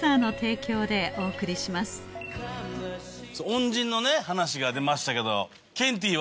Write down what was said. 恩人の話が出ましたけど。